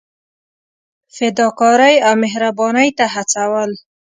فدا کارۍ او مهربانۍ ته هڅول.